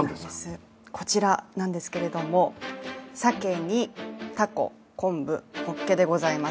こちらなんですけれども、さけにたこ、昆布、ホッケでございます。